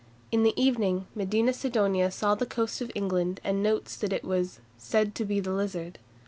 In the evening Medina Sidonia saw the coast of England, and notes that it was "said to be the Lizard."